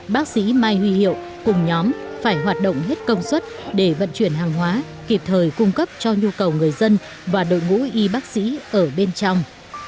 bác sĩ mai huy hiệu cùng nhóm phải hoạt động hết công suất để vận chuyển hàng hóa kịp thời cung cấp cho nhu cầu người dân và đội ngũ y bác sĩ ở bên trong